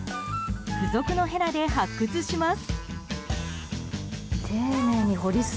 付属のへらで発掘します。